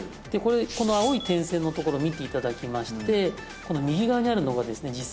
この青い点線のところ見ていただきましてこの右側にあるのがですね